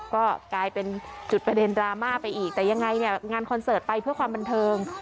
ก็กลายเป็นจุดประเด็นดราม่าไปอีกแต่ยังไงเนี่ยงานคอนเสิร์ตไปเพื่อความบันเทิง